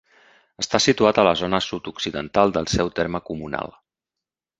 Està situat a la zona sud-occidental del seu terme comunal.